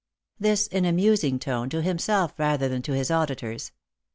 " This in a musing tone, to himself rather than to his auditors.